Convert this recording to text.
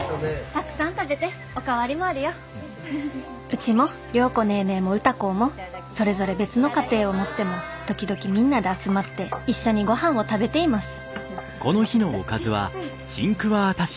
「うちも良子ネーネーも歌子もそれぞれ別の家庭を持っても時々みんなで集まって一緒にごはんを食べています」。